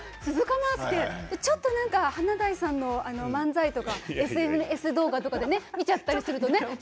なんかちょっと華大さんの漫才とかＳＮＳ動画とかで見ちゃったりすると。